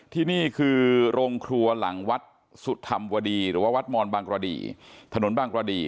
ที่นี่คือโรงครัวหลังวัดสุธรรมวดีหรือว่าวัดมอนบางกระดีถนนบางกระดี